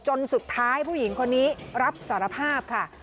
จนสุดท้ายผู้หญิงคนนี้รับสารภาพค่ะ